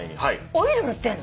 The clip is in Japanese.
オイル塗ってんの？